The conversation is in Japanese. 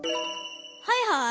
はいはい？